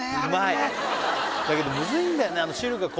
だけどムズいんだよね